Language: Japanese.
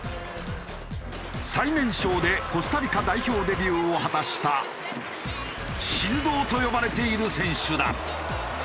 最年少でコスタリカ代表デビューを果たした神童と呼ばれている選手だ。